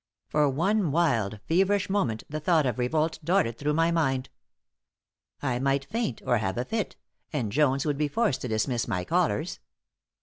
For one wild, feverish, moment the thought of revolt darted through my mind. I might faint, or have a fit, and Jones would be forced to dismiss my callers.